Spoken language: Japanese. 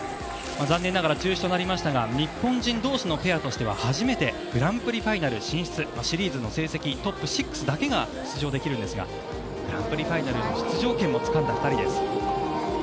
残念ながら中止となりましたが日本人同士のペアとしては初めてグランプリファイナル進出シリーズの成績トップ６だけが出場できるんですがグランプリファイナルの出場権もつかんだ２人です。